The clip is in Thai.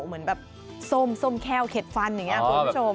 เหมือนแบบส้มแค่วเข็ดฟันอย่างนี้คุณผู้ชม